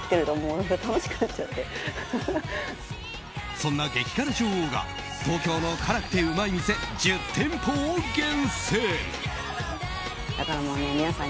そんな激辛女王が、東京の辛くてうまい店１０店舗を厳選。